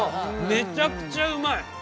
めちゃくちゃうまい！